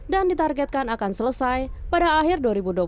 dan ditargetkan akan selesai pada akhir dua ribu dua puluh